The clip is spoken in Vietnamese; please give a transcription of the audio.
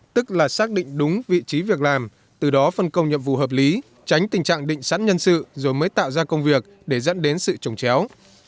tức là xác định đúng vị trí việc làm từ đó phân công nhiệm vụ hợp lý tránh tình trạng định sẵn nhân sự rồi mới tạo ra công việc để dẫn đến sự trồng chéo